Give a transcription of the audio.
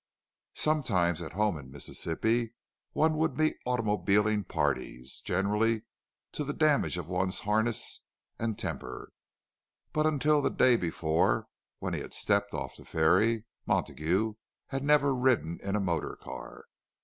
Sometimes, at home in Mississippi, one would meet automobiling parties, generally to the damage of one's harness and temper. But until the day before, when he had stepped off the ferry, Montague had never ridden in a motor car.